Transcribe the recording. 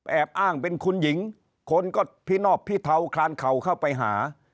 แอบอ้างเป็นคุณหญิงคนก็พินอบพิเทาคลานเข่าเข้าไปหา